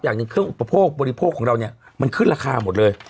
อย่างหนึ่งเครื่องอุปโภคบริโภคของเราเนี่ยมันขึ้นราคาหมดเลย